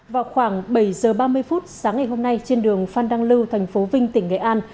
vào khoảng bảy giờ ba mươi phút sáng ngày hôm nay trên đường phan đăng lưu thành phố vinh tỉnh nghệ an